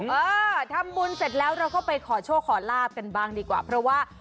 เออทำบุญเสร็จแล้วเราก็ไปขอโชคขอลาบกันบ้างดีกว่าเพราะว่า